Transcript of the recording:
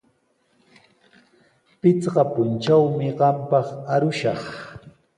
Pichqa puntrawmi qampaq arushaq.